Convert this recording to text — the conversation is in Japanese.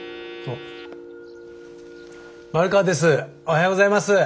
おはようございます。